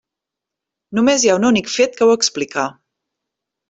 Només hi ha un únic fet que ho explica.